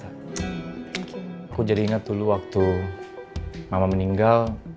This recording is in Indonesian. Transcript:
aku jadi ingat dulu waktu mama meninggal